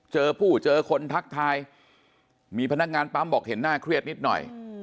เจอผู้เจอคนทักทายมีพนักงานปั๊มบอกเห็นหน้าเครียดนิดหน่อย